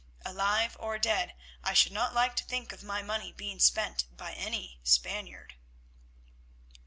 Alive or dead, I should not like to think of my money being spent by any Spaniard."